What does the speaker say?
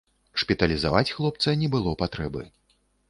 Шпіталізаваць хлопца не было патрэбы.